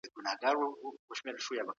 ښيي، تر څو ترکیه د دوی غوښتني ومني. په داسي